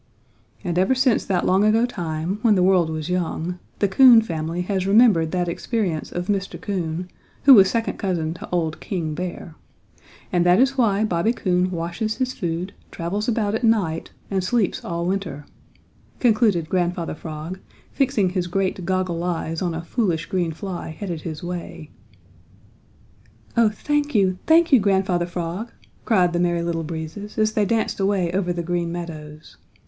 "And ever since that long ago time, when the world was young, the Coon family has remembered that experience of Mr. Coon, who was second cousin to old King Bear, and that is why Bobby Coon washes his food, travels about at night, and sleeps all winter," concluded Grandfather Frog, fixing his great goggle eyes on a foolish green fly headed his way. "Oh thank you, thank you, Grandfather Frog," cried the Merry Little Breezes as they danced away over the Green Meadows.